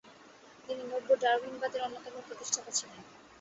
তিনি নব্য-ডারউইনবাদ এর অন্যতম প্রতিষ্ঠাতা ছিলেন।